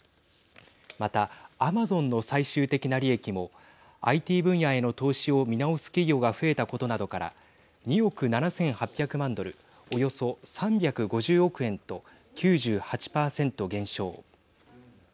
また、アマゾンの最終的な利益もＩＴ分野への投資を見直す企業が増えたことなどから２億７８００万ドルおよそ３５０億円と９８％減少。